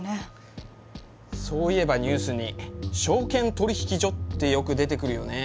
そういえばニュースに証券取引所ってよく出てくるよね。